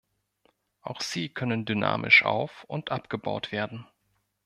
Auch sie können dynamisch auf- und abgebaut werden.